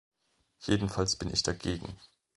Jedenfalls bin ich dagegen.